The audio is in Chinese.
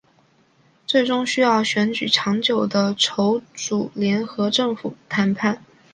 最终需要举行长久的筹组联合政府谈判。